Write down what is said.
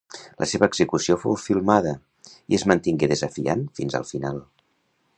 La seva execució fou filmada, i es mantingué desafiant fins al final.